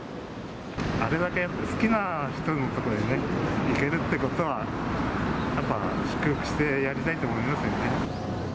あれだけ好きな人の所へ行けるってことは、やっぱり祝福してやりたいと思いますよね。